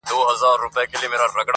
سم وارخطا~